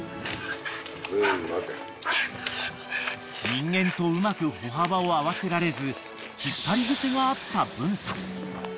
［人間とうまく歩幅を合わせられず引っ張り癖があった文太］